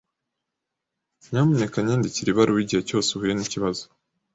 Nyamuneka nyandikira ibaruwa igihe cyose uhuye nikibazo.